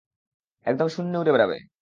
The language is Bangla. একদম শূন্যে উড়ে বেড়াবে!